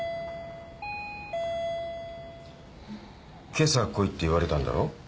けさ来いって言われたんだろ？